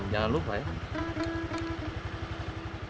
jangan lupa ya